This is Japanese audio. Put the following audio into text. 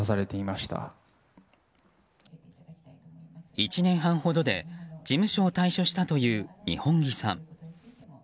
１年半ほどで事務所を退所したという、二本樹さん。